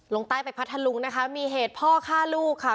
ลงใต้ไปพัทธลุงนะคะมีเหตุพ่อฆ่าลูกค่ะ